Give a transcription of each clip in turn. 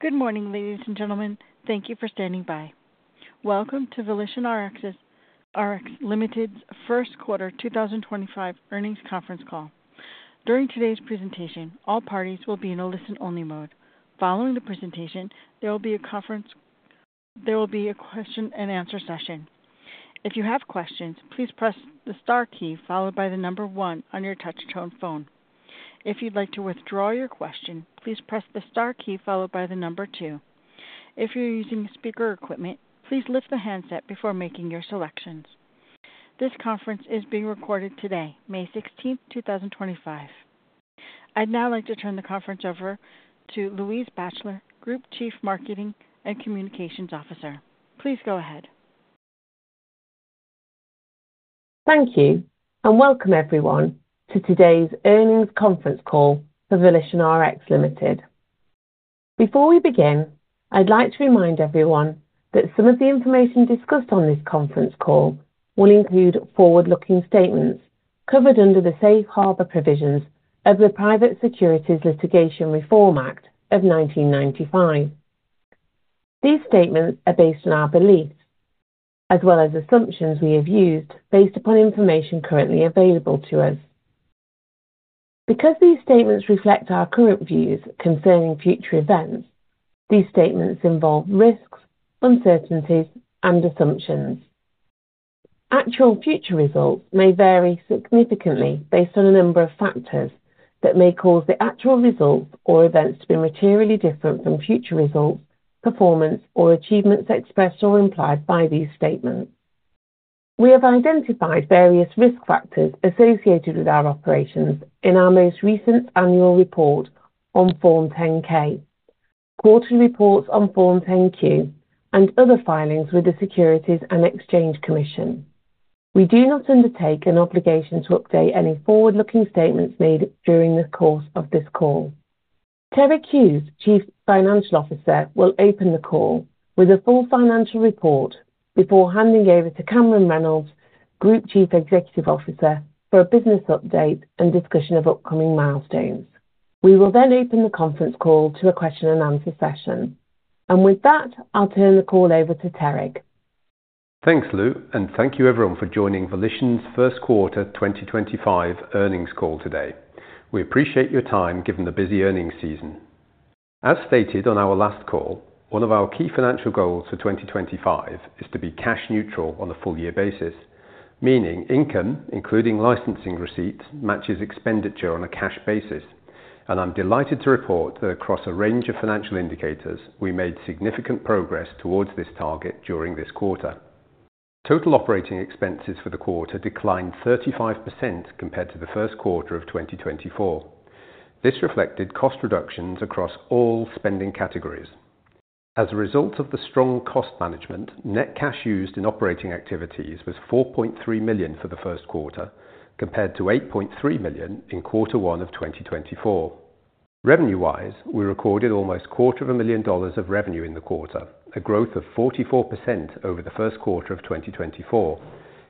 Good morning, ladies and gentlemen. Thank you for standing by. Welcome to VolitionRx Limited's First Quarter 2025 Earnings Conference Call. During today's presentation, all parties will be in a listen-only mode. Following the presentation, there will be a question-and-answer session. If you have questions, please press the star key followed by the number one on your touch-tone phone. If you'd like to withdraw your question, please press the star key followed by the number two. If you're using speaker equipment, please lift the handset before making your selections. This conference is being recorded today, May 16th, 2025. I'd now like to turn the conference over to Louise Batchelor, Group Chief Marketing and Communications Officer. Please go ahead. Thank you, and welcome everyone to today's earnings conference call for VolitionRx Limited. Before we begin, I'd like to remind everyone that some of the information discussed on this conference call will include forward-looking statements covered under the safe harbor provisions of the Private Securities Litigation Reform Act of 1995. These statements are based on our beliefs, as well as assumptions we have used based upon information currently available to us. Because these statements reflect our current views concerning future events, these statements involve risks, uncertainties, and assumptions. Actual future results may vary significantly based on a number of factors that may cause the actual results or events to be materially different from future results, performance, or achievements expressed or implied by these statements. We have identified various risk factors associated with our operations in our most recent annual report on Form 10-K, quarterly reports on Form 10-Q, and other filings with the Securities and Exchange Commission. We do not undertake an obligation to update any forward-looking statements made during the course of this call. Terig Hughes, Chief Financial Officer, will open the call with a full financial report before handing over to Cameron Reynolds, Group Chief Executive Officer, for a business update and discussion of upcoming milestones. We will then open the conference call to a question-and-answer session. With that, I'll turn the call over to Terig. Thanks, Lou, and thank you everyone for joining Volition's First Quarter 2025 earnings call today. We appreciate your time given the busy earnings season. As stated on our last call, one of our key financial goals for 2025 is to be cash neutral on a full-year basis, meaning income, including licensing receipts, matches expenditure on a cash basis. I'm delighted to report that across a range of financial indicators, we made significant progress towards this target during this quarter. Total operating expenses for the quarter declined 35% compared to the first quarter of 2024. This reflected cost reductions across all spending categories. As a result of the strong cost management, net cash used in operating activities was $4.3 million for the first quarter, compared to $8.3 million in quarter one of 2024. Revenue-wise, we recorded almost a quarter of a million dollars of revenue in the quarter, a growth of 44% over the first quarter of 2024,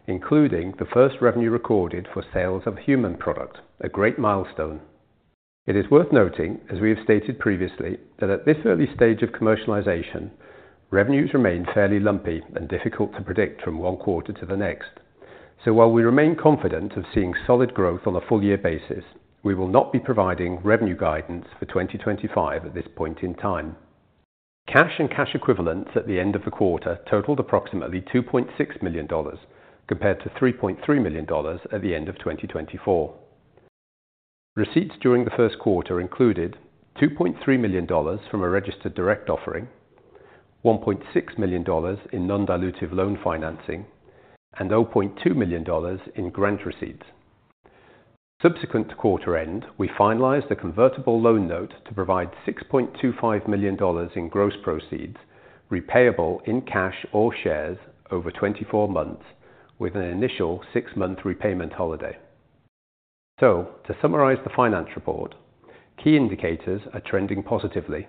including the first revenue recorded for sales of human product, a great milestone. It is worth noting, as we have stated previously, that at this early stage of commercialization, revenues remain fairly lumpy and difficult to predict from one quarter to the next. While we remain confident of seeing solid growth on a full-year basis, we will not be providing revenue guidance for 2025 at this point in time. Cash and cash equivalents at the end of the quarter totaled approximately $2.6 million compared to $3.3 million at the end of 2024. Receipts during the first quarter included $2.3 million from a registered direct offering, $1.6 million in non-dilutive loan financing, and $0.2 million in grant receipts. Subsequent to quarter end, we finalized a convertible loan note to provide $6.25 million in gross proceeds repayable in cash or shares over 24 months, with an initial six-month repayment holiday. To summarize the finance report, key indicators are trending positively.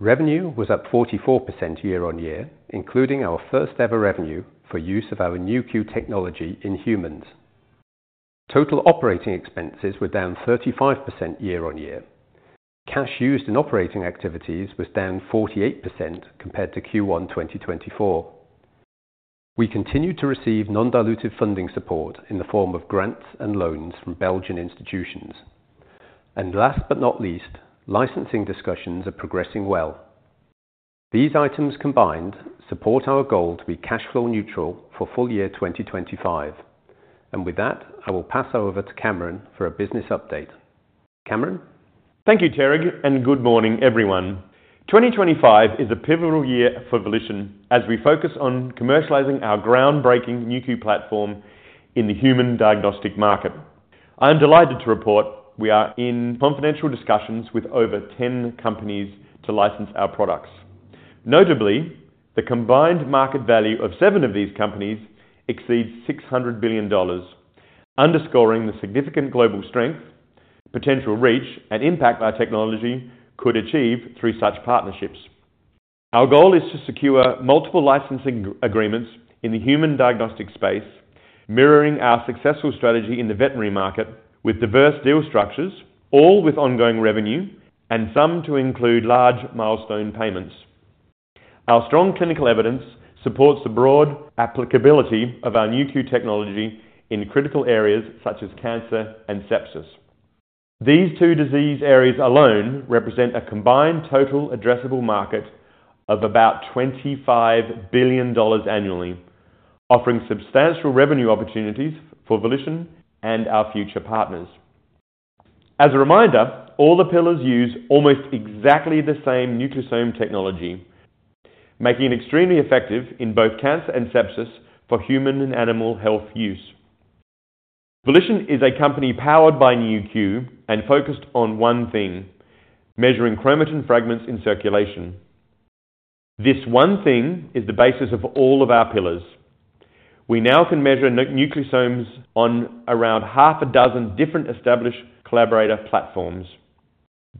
Revenue was up 44% year-on-year, including our first-ever revenue for use of our Nu.Q technology in humans. Total operating expenses were down 35% year-on-year. Cash used in operating activities was down 48% compared to Q1 2024. We continue to receive non-dilutive funding support in the form of grants and loans from Belgian institutions. Last but not least, licensing discussions are progressing well. These items combined support our goal to be cash flow neutral for full year 2025. With that, I will pass over to Cameron for a business update. Cameron? Thank you, Terig, and good morning, everyone. 2025 is a pivotal year for Volition as we focus on commercializing our groundbreaking Nu.Q platform in the human diagnostic market. I am delighted to report we are in confidential discussions with over 10 companies to license our products. Notably, the combined market value of seven of these companies exceeds $600 billion, underscoring the significant global strength, potential reach, and impact our technology could achieve through such partnerships. Our goal is to secure multiple licensing agreements in the human diagnostic space, mirroring our successful strategy in the veterinary market with diverse deal structures, all with ongoing revenue and some to include large milestone payments. Our strong clinical evidence supports the broad applicability of our Nu.Q technology in critical areas such as cancer and sepsis. These two disease areas alone represent a combined total addressable market of about $25 billion annually, offering substantial revenue opportunities for Volition and our future partners. As a reminder, all the pillars use almost exactly the same nucleosome technology, making it extremely effective in both cancer and sepsis for human and animal health use. Volition is a company powered by Nu.Q and focused on one thing: measuring chromatin fragments in circulation. This one thing is the basis of all of our pillars. We now can measure nucleosomes on around half a dozen different established collaborator platforms.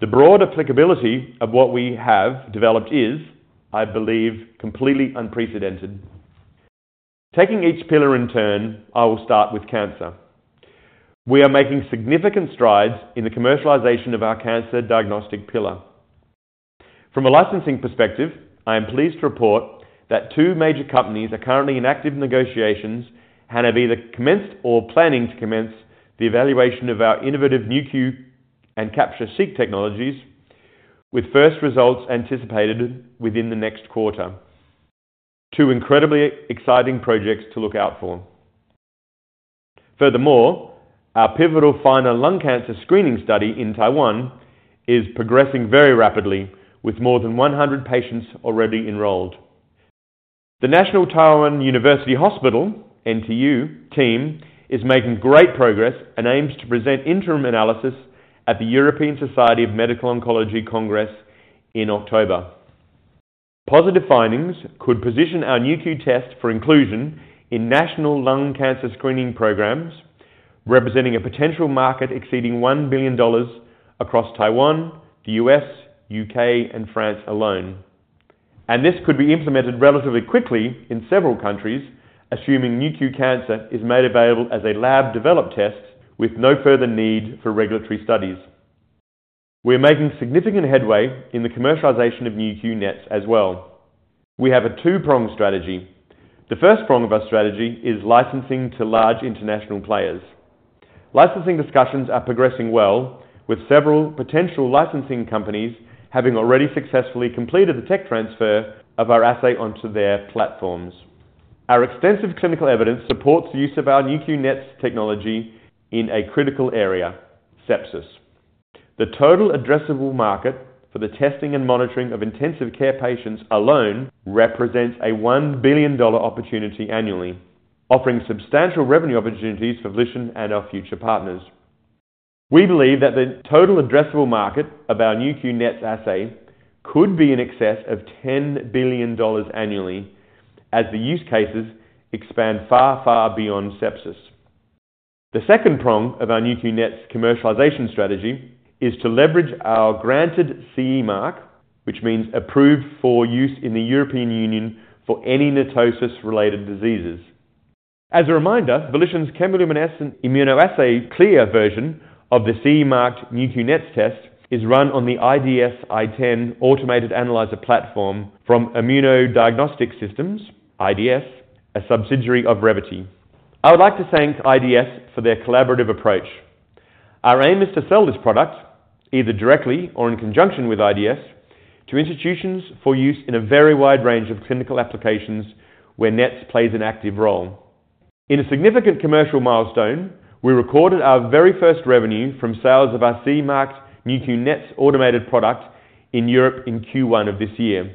The broad applicability of what we have developed is, I believe, completely unprecedented. Taking each pillar in turn, I will start with cancer. We are making significant strides in the commercialization of our cancer diagnostic pillar. From a licensing perspective, I am pleased to report that two major companies are currently in active negotiations and have either commenced or are planning to commence the evaluation of our innovative Nu.Q and Capture-Seq technologies, with first results anticipated within the next quarter. Two incredibly exciting projects to look out for. Furthermore, our pivotal final lung cancer screening study in Taiwan is progressing very rapidly, with more than 100 patients already enrolled. The National Taiwan University Hospital (NTU) team is making great progress and aims to present interim analysis at the European Society of Medical Oncology Congress in October. Positive findings could position our Nu.Q test for inclusion in national lung cancer screening programs, representing a potential market exceeding $1 billion across Taiwan, the U.S., U.K., and France alone. This could be implemented relatively quickly in several countries, assuming Nu.Q Cancer is made available as a lab-developed test with no further need for regulatory studies. We are making significant headway in the commercialization of Nu.Q NETs as well. We have a two-pronged strategy. The first prong of our strategy is licensing to large international players. Licensing discussions are progressing well, with several potential licensing companies having already successfully completed the tech transfer of our assay onto their platforms. Our extensive clinical evidence supports the use of our Nu.Q NETs technology in a critical area: sepsis. The total addressable market for the testing and monitoring of intensive care patients alone represents a $1 billion opportunity annually, offering substantial revenue opportunities for Volition and our future partners. We believe that the total addressable market of our Nu.Q NETs assay could be in excess of $10 billion annually, as the use cases expand far, far beyond sepsis. The second prong of our Nu.Q NETs commercialization strategy is to leverage our granted CE mark, which means approved for use in the European Union for any NETosis-related diseases. As a reminder, Volition's chemiluminescent immunoassay CLIA version of the CE-marked Nu.Q NETs test is run on the IDS-i10 automated analyzer platform from ImmunoDiagnostic Systems (IDS), a subsidiary of Revvity. I would like to thank IDS for their collaborative approach. Our aim is to sell this product, either directly or in conjunction with IDS, to institutions for use in a very wide range of clinical applications where NETs plays an active role. In a significant commercial milestone, we recorded our very first revenue from sales of our CE-marked Nu.Q NETs automated product in Europe in Q1 of this year.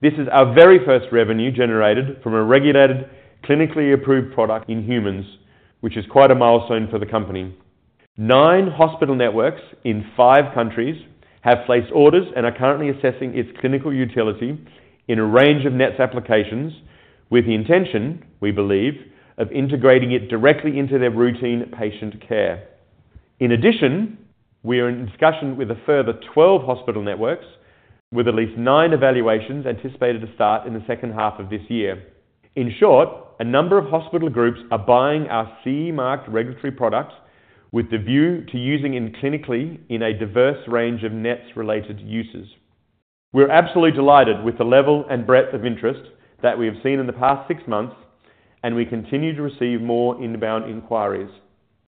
This is our very first revenue generated from a regulated, clinically approved product in humans, which is quite a milestone for the company. Nine hospital networks in five countries have placed orders and are currently assessing its clinical utility in a range of NETs applications, with the intention, we believe, of integrating it directly into their routine patient care. In addition, we are in discussion with a further 12 hospital networks, with at least nine evaluations anticipated to start in the second half of this year. In short, a number of hospital groups are buying our CE-marked regulatory product with the view to using it clinically in a diverse range of NETs-related uses. We're absolutely delighted with the level and breadth of interest that we have seen in the past six months, and we continue to receive more inbound inquiries.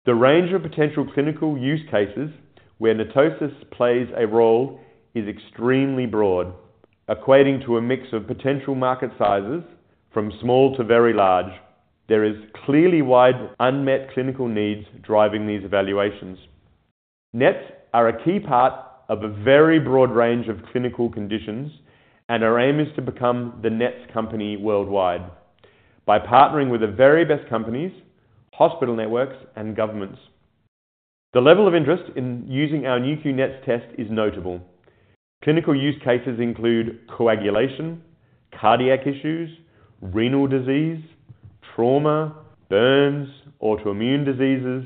The range of potential clinical use cases where NETosis plays a role is extremely broad, equating to a mix of potential market sizes from small to very large. There is clearly wide unmet clinical needs driving these evaluations. NETs are a key part of a very broad range of clinical conditions, and our aim is to become the NETs company worldwide by partnering with the very best companies, hospital networks, and governments. The level of interest in using our Nu.Q NETs test is notable. Clinical use cases include coagulation, cardiac issues, renal disease, trauma, burns, autoimmune diseases,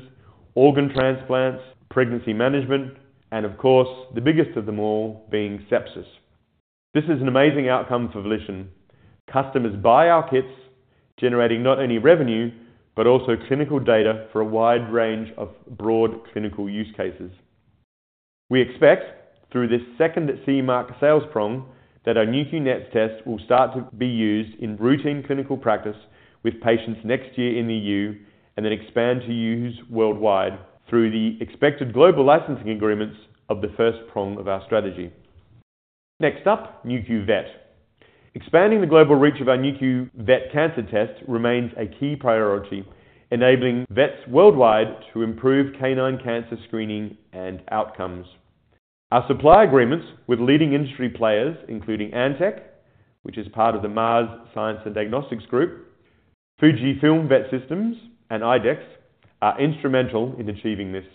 organ transplants, pregnancy management, and of course, the biggest of them all being sepsis. This is an amazing outcome for Volition. Customers buy our kits, generating not only revenue but also clinical data for a wide range of broad clinical use cases. We expect, through this second CE mark sales prong, that our Nu.Q NETs test will start to be used in routine clinical practice with patients next year in the EU and then expand to use worldwide through the expected global licensing agreements of the first prong of our strategy. Next up, Nu.Q Vet. Expanding the global reach of our Nu.Q Vet Cancer Test remains a key priority, enabling vets worldwide to improve canine cancer screening and outcomes. Our supply agreements with leading industry players, including Antech, which is part of the Mars Science and Diagnostics Group, Fujifilm Vet Systems, and IDEXX, are instrumental in achieving this.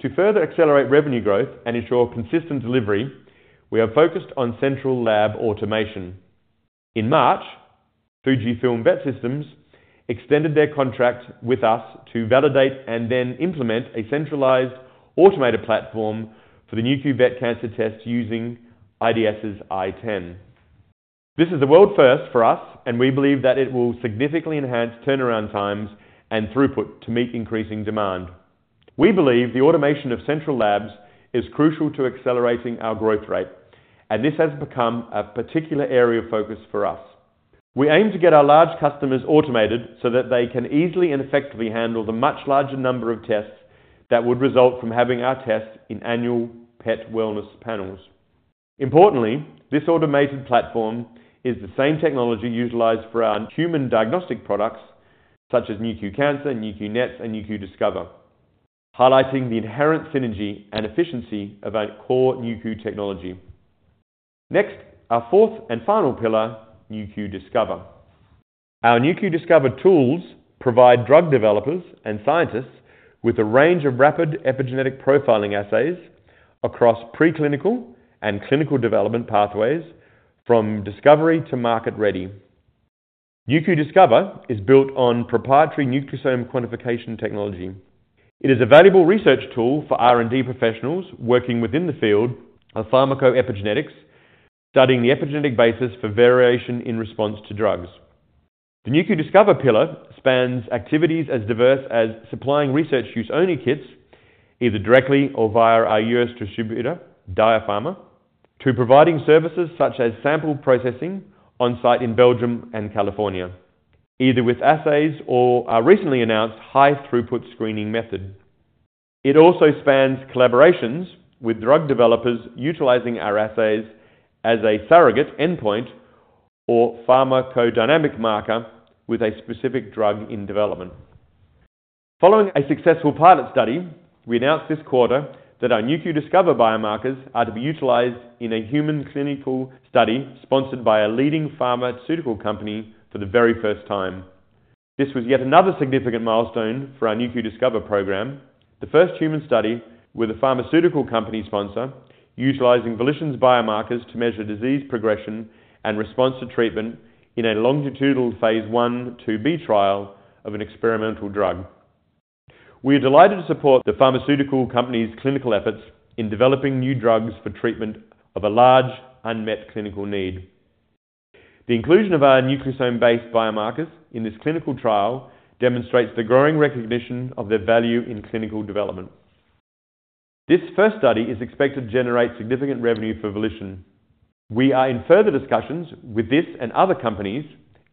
To further accelerate revenue growth and ensure consistent delivery, we have focused on central lab automation. In March, Fujifilm Vet Systems extended their contract with us to validate and then implement a centralized automated platform for the Nu.Q Vet Cancer Test using IDS-i10. This is a world first for us, and we believe that it will significantly enhance turnaround times and throughput to meet increasing demand. We believe the automation of central labs is crucial to accelerating our growth rate, and this has become a particular area of focus for us. We aim to get our large customers automated so that they can easily and effectively handle the much larger number of tests that would result from having our test in annual pet wellness panels. Importantly, this automated platform is the same technology utilized for our human diagnostic products, such as Nu.Q Cancer, Nu.Q NETs, and Nu.Q Discover, highlighting the inherent synergy and efficiency of our core Nu.Q technology. Next, our fourth and final pillar, Nu.Q Discover. Our Nu.Q Discover tools provide drug developers and scientists with a range of rapid epigenetic profiling assays across preclinical and clinical development pathways from discovery to market ready. Nu.Q Discover is built on proprietary nucleosome quantification technology. It is a valuable research tool for R&D professionals working within the field of pharmacoepigenetics, studying the epigenetic basis for variation in response to drugs. The Nu.Q Discover pillar spans activities as diverse as supplying research use-only kits, either directly or via our US distributor, DiaPharma, to providing services such as sample processing on site in Belgium and California, either with assays or our recently announced high-throughput screening method. It also spans collaborations with drug developers utilizing our assays as a surrogate endpoint or pharmacodynamic marker with a specific drug in development. Following a successful pilot study, we announced this quarter that our Nu.Q Discover biomarkers are to be utilized in a human clinical study sponsored by a leading pharmaceutical company for the very first time. This was yet another significant milestone for our Nu.Q Discover program, the first human study with a pharmaceutical company sponsor utilizing Volition's biomarkers to measure disease progression and response to treatment in a longitudinal phase I/II-B trial of an experimental drug. We are delighted to support the pharmaceutical company's clinical efforts in developing new drugs for treatment of a large unmet clinical need. The inclusion of our nucleosome-based biomarkers in this clinical trial demonstrates the growing recognition of their value in clinical development. This first study is expected to generate significant revenue for Volition. We are in further discussions with this and other companies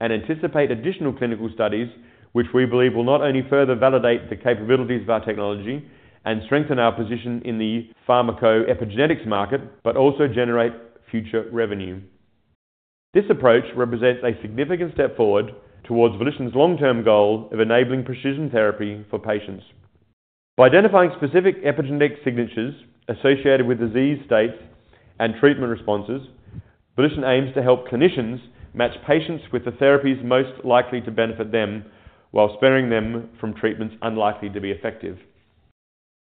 and anticipate additional clinical studies, which we believe will not only further validate the capabilities of our technology and strengthen our position in the pharmacoepigenetics market, but also generate future revenue. This approach represents a significant step forward towards VolitionRx's long-term goal of enabling precision therapy for patients. By identifying specific epigenetic signatures associated with disease states and treatment responses, VolitionRx aims to help clinicians match patients with the therapies most likely to benefit them while sparing them from treatments unlikely to be effective.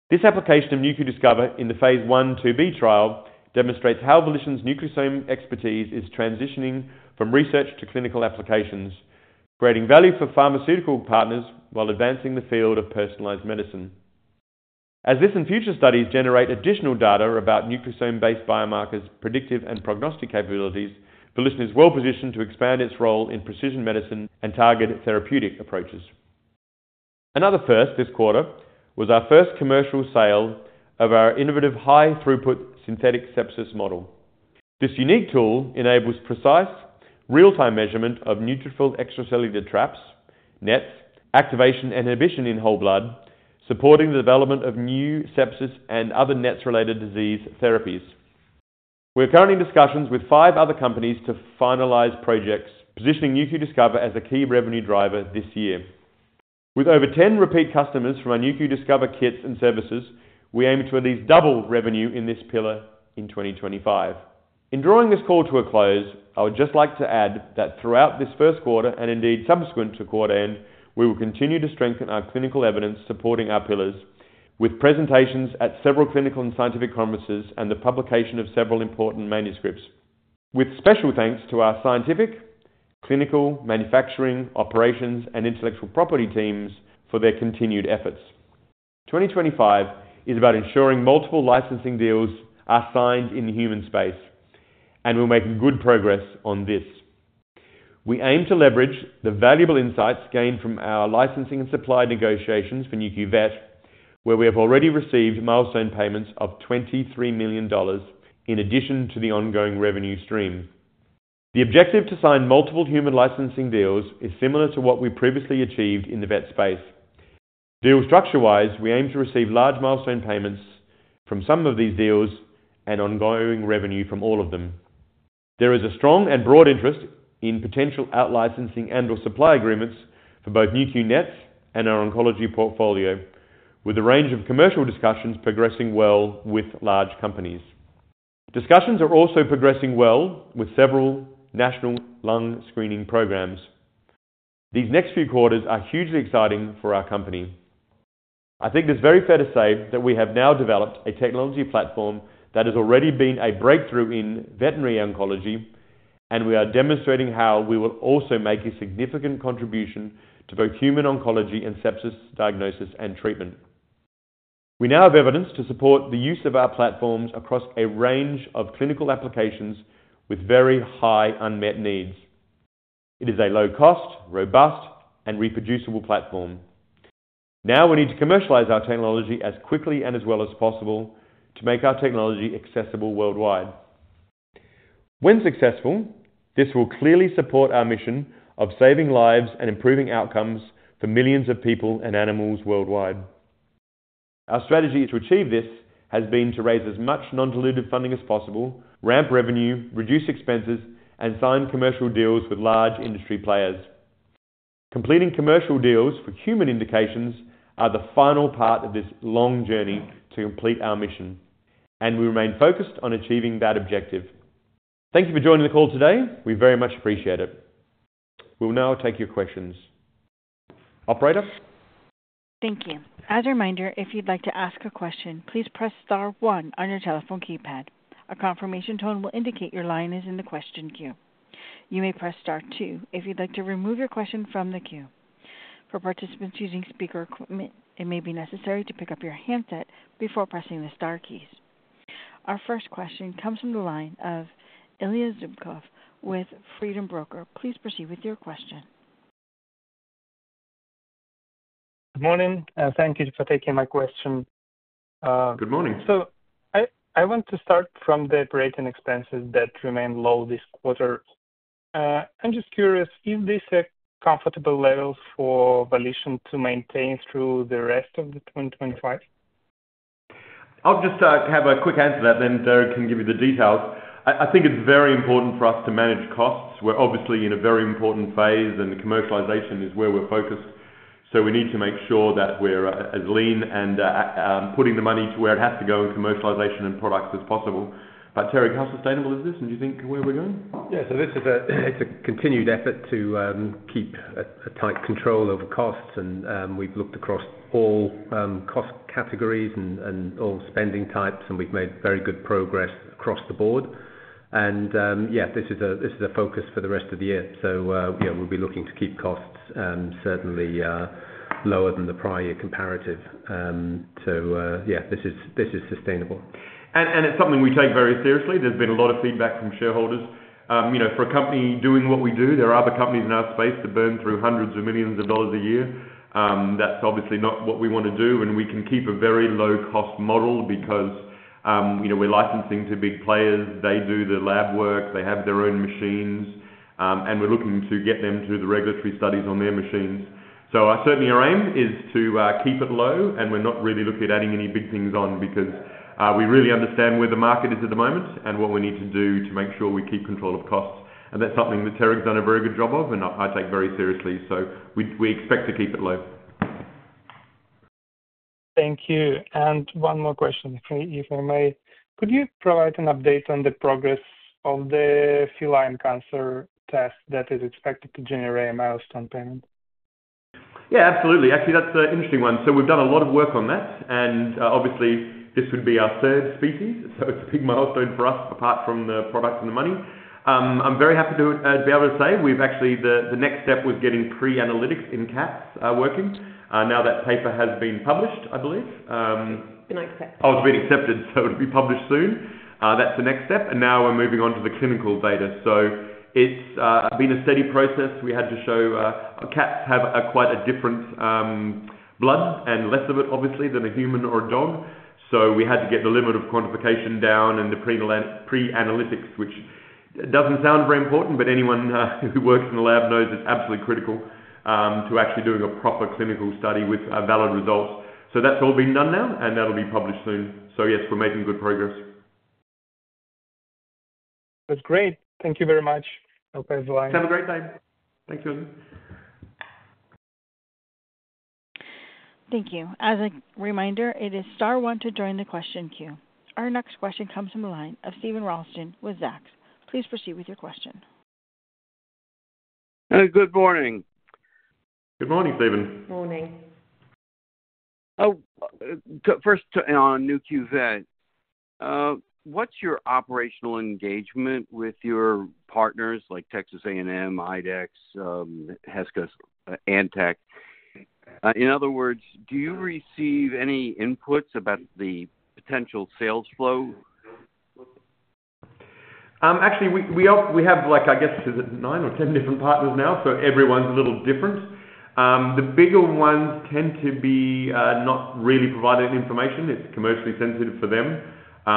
This application of Nu.Q Discover in the phase I/II-B trial demonstrates how VolitionRx's nucleosome expertise is transitioning from research to clinical applications, creating value for pharmaceutical partners while advancing the field of personalized medicine. As this and future studies generate additional data about nucleosome-based biomarkers' predictive and prognostic capabilities, Volition is well positioned to expand its role in precision medicine and targeted therapeutic approaches. Another first this quarter was our first commercial sale of our innovative high-throughput synthetic sepsis model. This unique tool enables precise, real-time measurement of neutrophil extracellular traps, NETs, activation, and inhibition in whole blood, supporting the development of new sepsis and other NETs-related disease therapies. We are currently in discussions with five other companies to finalize projects, positioning Nu.Q Discover as a key revenue driver this year. With over 10 repeat customers from our Nu.Q Discover kits and services, we aim to at least double revenue in this pillar in 2025. In drawing this call to a close, I would just like to add that throughout this first quarter and indeed subsequent to quarter end, we will continue to strengthen our clinical evidence supporting our pillars with presentations at several clinical and scientific conferences and the publication of several important manuscripts, with special thanks to our scientific, clinical, manufacturing, operations, and intellectual property teams for their continued efforts. 2025 is about ensuring multiple licensing deals are signed in the human space, and we're making good progress on this. We aim to leverage the valuable insights gained from our licensing and supply negotiations for Nu.Q Vet, where we have already received milestone payments of $23 million in addition to the ongoing revenue stream. The objective to sign multiple human licensing deals is similar to what we previously achieved in the vet space. Deal structure-wise, we aim to receive large milestone payments from some of these deals and ongoing revenue from all of them. There is a strong and broad interest in potential out-licensing and/or supply agreements for both Nu.Q NETs and our oncology portfolio, with a range of commercial discussions progressing well with large companies. Discussions are also progressing well with several national lung screening programs. These next few quarters are hugely exciting for our company. I think it's very fair to say that we have now developed a technology platform that has already been a breakthrough in veterinary oncology, and we are demonstrating how we will also make a significant contribution to both human oncology and sepsis diagnosis and treatment. We now have evidence to support the use of our platforms across a range of clinical applications with very high unmet needs. It is a low-cost, robust, and reproducible platform. Now we need to commercialize our technology as quickly and as well as possible to make our technology accessible worldwide. When successful, this will clearly support our mission of saving lives and improving outcomes for millions of people and animals worldwide. Our strategy to achieve this has been to raise as much non-dilutive funding as possible, ramp revenue, reduce expenses, and sign commercial deals with large industry players. Completing commercial deals for human indications are the final part of this long journey to complete our mission, and we remain focused on achieving that objective. Thank you for joining the call today. We very much appreciate it. We'll now take your questions. Operator. Thank you. As a reminder, if you'd like to ask a question, please press star one on your telephone keypad. A confirmation tone will indicate your line is in the question queue. You may press star two if you'd like to remove your question from the queue. For participants using speaker equipment, it may be necessary to pick up your handset before pressing the star keys. Our first question comes from the line of Ilya Zubkov with Freedom Broker. Please proceed with your question. Good morning. Thank you for taking my question. Good morning. I want to start from the operating expenses that remain low this quarter. I'm just curious if these are comfortable levels for Volition to maintain through the rest of 2025. I'll just have a quick answer to that, then Terig can give you the details. I think it's very important for us to manage costs. We're obviously in a very important phase, and commercialization is where we're focused. We need to make sure that we're as lean and putting the money to where it has to go in commercialization and products as possible. Terig, how sustainable is this, and do you think where we're going? Yeah. This is a continued effort to keep a tight control over costs, and we've looked across all cost categories and all spending types, and we've made very good progress across the board. Yeah, this is a focus for the rest of the year. We'll be looking to keep costs certainly lower than the prior year comparative. Yeah, this is sustainable. It's something we take very seriously. There's been a lot of feedback from shareholders. For a company doing what we do, there are other companies in our space that burn through hundreds of millions of dollars a year. That's obviously not what we want to do, and we can keep a very low-cost model because we're licensing to big players. They do the lab work. They have their own machines, and we're looking to get them to the regulatory studies on their machines. Certainly our aim is to keep it low, and we're not really looking at adding any big things on because we really understand where the market is at the moment and what we need to do to make sure we keep control of costs. That's something that Terig has done a very good job of, and I take very seriously. We expect to keep it low. Thank you. One more question, if I may. Could you provide an update on the progress of the feline cancer test that is expected to generate a milestone payment? Yeah, absolutely. Actually, that's an interesting one. We've done a lot of work on that, and obviously, this would be our third species, so it's a big milestone for us apart from the products and the money. I'm very happy to be able to say we've actually, the next step was getting pre-analytics in cats working. Now that paper has been published, I believe. It's been accepted. Oh, it's been accepted, so it'll be published soon. That's the next step, and now we're moving on to the clinical data. It's been a steady process. We had to show cats have quite a different blood and less of it, obviously, than a human or a dog. We had to get the limit of quantification down and the pre-analytics, which does not sound very important, but anyone who works in the lab knows it is absolutely critical to actually doing a proper clinical study with valid results. That is all been done now, and that will be published soon. Yes, we are making good progress. That is great. Thank you very much. Hope you have a great day. Thank you. Thank you. As a reminder, it is star one to join the question queue. Our next question comes from the line of Steven Ralston with Zacks. Please proceed with your question. Good morning. Good morning, Steven. Morning. First, on Nu.Q Vet, what is your operational engagement with your partners like Texas A&M, IDEXX, Heska's, Antech? In other words, do you receive any inputs about the potential sales flow? Actually, we have, I guess, nine or ten different partners now, so everyone's a little different. The bigger ones tend to be not really providing information. It's commercially sensitive for them.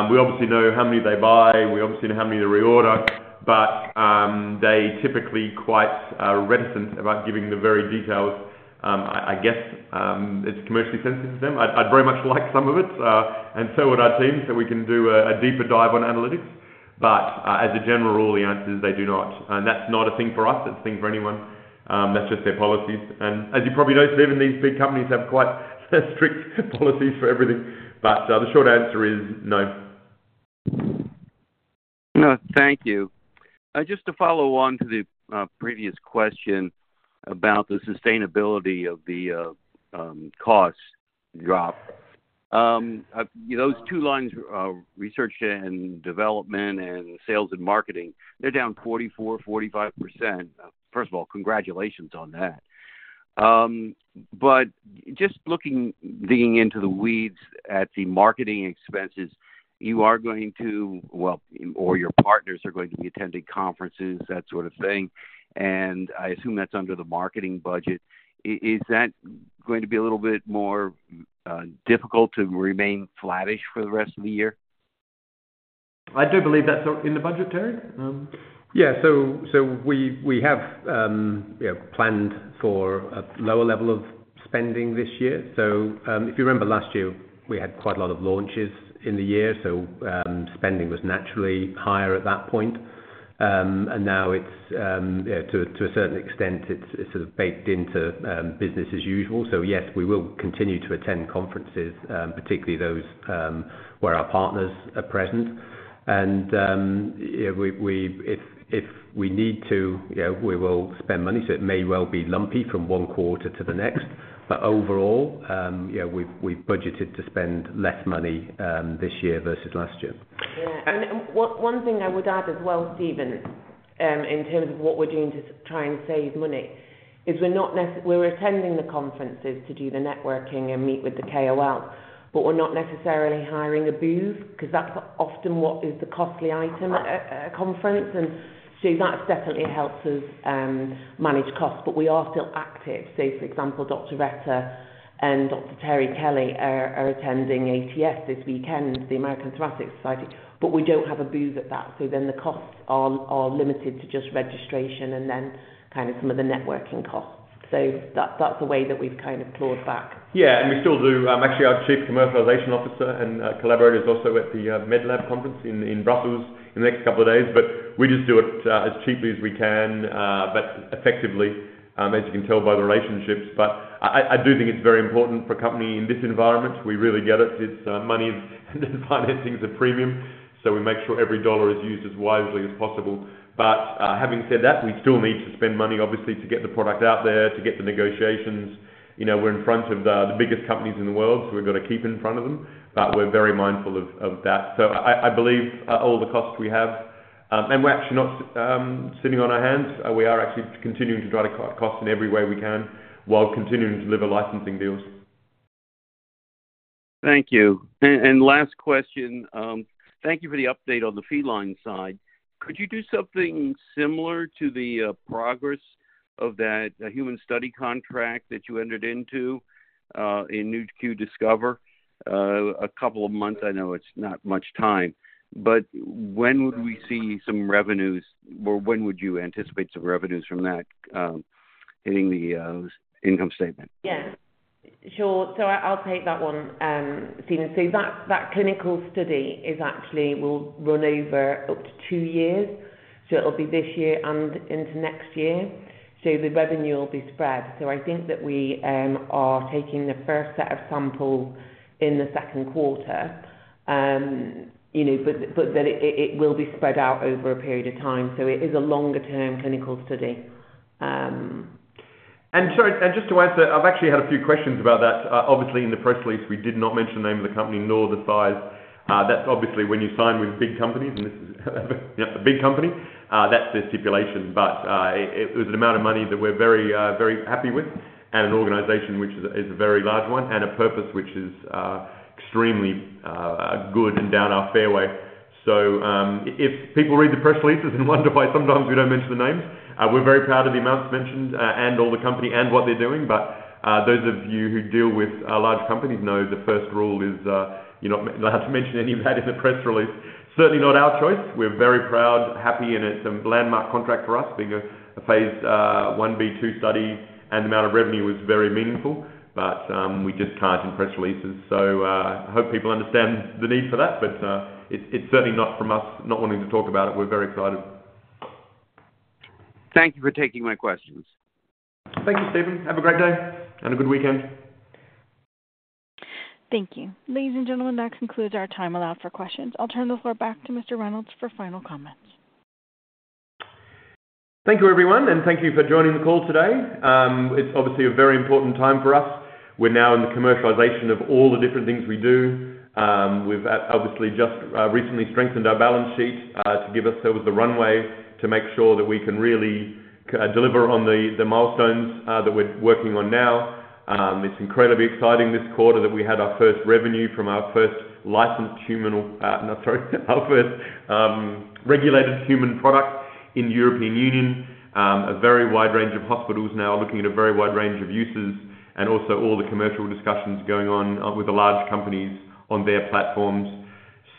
We obviously know how many they buy. We obviously know how many they reorder, but they typically are quite reticent about giving the very details. I guess it's commercially sensitive to them. I'd very much like some of it and so would our team so we can do a deeper dive on analytics. As a general rule, the answer is they do not. That's not a thing for us. It's a thing for anyone. That's just their policies. As you probably know, Steven, these big companies have quite strict policies for everything. The short answer is no. No, thank you. Just to follow on to the previous question about the sustainability of the cost drop, those two lines, research and development and sales and marketing, they're down 44-45%. First of all, congratulations on that. Just digging into the weeds at the marketing expenses, you are going to, or your partners are going to be attending conferences, that sort of thing, and I assume that's under the marketing budget. Is that going to be a little bit more difficult to remain flattish for the rest of the year? I do believe that's in the budget, Terig. Yeah. We have planned for a lower level of spending this year. If you remember last year, we had quite a lot of launches in the year, so spending was naturally higher at that point. Now, to a certain extent, it's sort of baked into business as usual. Yes, we will continue to attend conferences, particularly those where our partners are present. If we need to, we will spend money. It may well be lumpy from one quarter to the next, but overall, we have budgeted to spend less money this year versus last year. One thing I would add as well, Steven, in terms of what we are doing to try and save money, is we are attending the conferences to do the networking and meet with the KOLs, but we are not necessarily hiring a booth because that is often what is the costly item at a conference. That definitely helps us manage costs, but we are still active. For example, Dr. Retter and Dr. Terry Kelly are attending ATS this weekend, the American Thoracic Society, but we do not have a booth at that. The costs are limited to just registration and then kind of some of the networking costs. That is a way that we have kind of clawed back. Yeah. We still do. Actually, our Chief Commercialization Officer and collaborators are also at the MedLab conference in Brussels in the next couple of days, but we just do it as cheaply as we can, but effectively, as you can tell by the relationships. I do think it is very important for a company in this environment. We really get it. It is money, and financing is a premium, so we make sure every dollar is used as wisely as possible. Having said that, we still need to spend money, obviously, to get the product out there, to get the negotiations. We're in front of the biggest companies in the world, so we've got to keep in front of them, but we're very mindful of that. I believe all the costs we have, and we're actually not sitting on our hands. We are actually continuing to try to cut costs in every way we can while continuing to deliver licensing deals. Thank you. Last question. Thank you for the update on the feline side. Could you do something similar to the progress of that human study contract that you entered into in Nu.Q Discover a couple of months? I know it's not much time, but when would we see some revenues, or when would you anticipate some revenues from that hitting the income statement? Yeah. Sure. I'll take that one, Steven. That clinical study will run over up to two years. It'll be this year and into next year. The revenue will be spread. I think that we are taking the first set of samples in the second quarter, but it will be spread out over a period of time. It is a longer-term clinical study. Just to add to that, I've actually had a few questions about that. Obviously, in the press release, we did not mention the name of the company nor the size. That's obviously when you sign with big companies, and this is a big company. That's their stipulation. It was an amount of money that we're very, very happy with, and an organization which is a very large one, and a purpose which is extremely good and down our fairway. If people read the press releases and wonder why sometimes we do not mention the names, we are very proud of the amounts mentioned and all the company and what they are doing. Those of you who deal with large companies know the first rule is you are not allowed to mention any of that in the press release. Certainly not our choice. We are very proud, happy, and it is a landmark contract for us being a phase I/B-II study, and the amount of revenue was very meaningful, but we just cannot in press releases. I hope people understand the need for that, but it is certainly not from us not wanting to talk about it. We are very excited. Thank you for taking my questions. Thank you, Steven. Have a great day and a good weekend. Thank you. Ladies and gentlemen, that concludes our time allowed for questions. I'll turn the floor back to Mr. Reynolds for final comments. Thank you, everyone, and thank you for joining the call today. It's obviously a very important time for us. We're now in the commercialization of all the different things we do. We've obviously just recently strengthened our balance sheet to give us the runway to make sure that we can really deliver on the milestones that we're working on now. It's incredibly exciting this quarter that we had our first revenue from our first licensed human—no, sorry—our first regulated human product in the European Union. A very wide range of hospitals now looking at a very wide range of uses and also all the commercial discussions going on with the large companies on their platforms.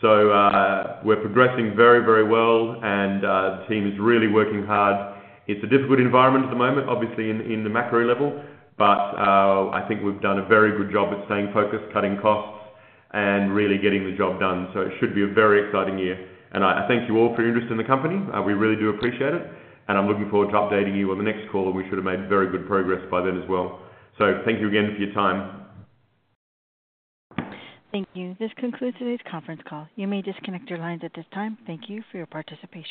We are progressing very, very well, and the team is really working hard. It's a difficult environment at the moment, obviously, in the macro level, but I think we've done a very good job at staying focused, cutting costs, and really getting the job done. It should be a very exciting year. I thank you all for your interest in the company. We really do appreciate it, and I'm looking forward to updating you on the next call, and we should have made very good progress by then as well. Thank you again for your time. Thank you. This concludes today's conference call. You may disconnect your lines at this time. Thank you for your participation.